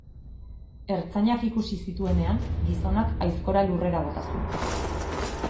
Ertzainak ikusi zituenean, gizonak aizkora lurrera bota zuen.